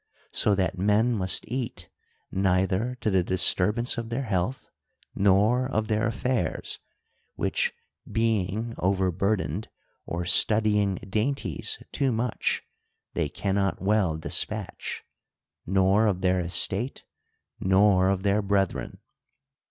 So that men must eat, neither to the disturbance of their health, nor of their affairs (which, being over burdened, or studying dainties too much, they cannot well despatch), nor of their estate, nor of their brethren.